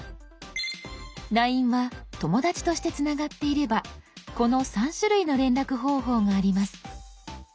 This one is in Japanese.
「ＬＩＮＥ」は「友だち」としてつながっていればこの３種類の連絡方法があります。